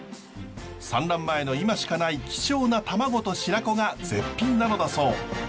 産卵前の今しかない貴重な卵と白子が絶品なのだそう。